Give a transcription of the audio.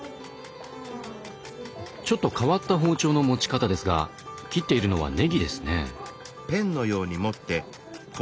ちょっと変わった包丁の持ち方ですが切っているのはねぎですね。